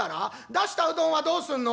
出したうどんはどうすんの？」。